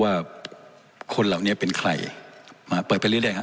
ว่าคนเหล่านี้เป็นใครมาเปิดไปเรื่อยครับ